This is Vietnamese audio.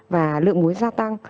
và lượng muối gia tăng